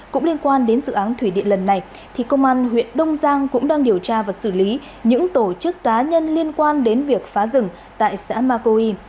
cũng liên quan đến dự án thủy điện lần này thì công an huyện đông giang cũng đang điều tra và xử lý những tổ chức cá nhân liên quan đến việc phá rừng tại xã ma côi